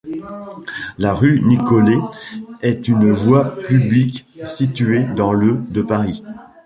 La rue Nicolet est une voie publique située dans le de Paris.